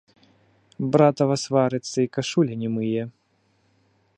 Братава сварыцца і кашулі не мые.